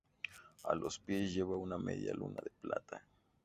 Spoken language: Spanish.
A los pies lleva una media luna de plata.